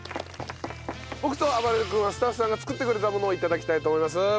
僕とあばれる君はスタッフさんが作ってくれたものを頂きたいと思います。